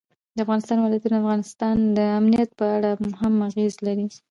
د افغانستان ولايتونه د افغانستان د امنیت په اړه هم اغېز لري.